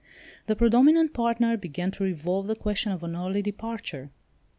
The predominant partner began to revolve the question of an early departure.